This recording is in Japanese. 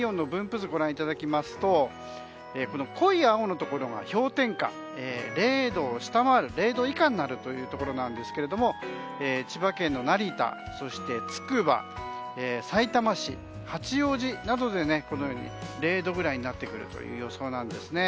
図ご覧いただきますと濃い青のところが氷点下０度を下回る、０度以下になるというところなんですが千葉県の成田、つくばさいたま市、八王子などで０度ぐらいになってくる予想なんですね。